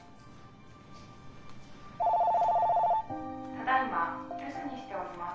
☎☎ただいま留守にしております。